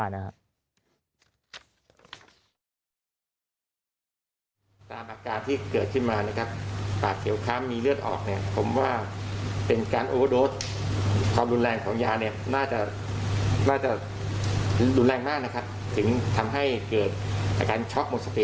หลุนแรงของยาน่าจะหลุนแรงมากถึงทำให้เกิดอาการช็อคหมดสติ